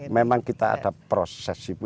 memang kita ada proses